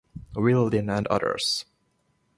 Whilldin and others.